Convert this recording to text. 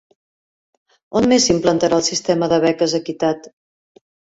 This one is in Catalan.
On més s'implantarà el sistema de beques equitat?